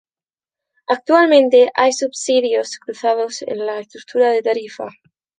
Actualmente, hay subsidios cruzados en la estructura de tarifas.